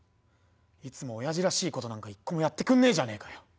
いつもおやじらしいことなんか一個もやってくんねえじゃねえかよ。